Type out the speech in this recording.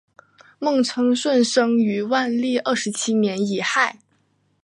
孟称舜生于万历二十七年己亥。